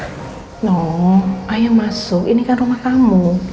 nno ayo masuk ini kan rumah kamu